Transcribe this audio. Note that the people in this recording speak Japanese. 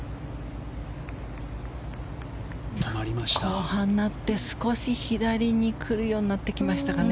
後半になって少し左にくるようになってきましたかね。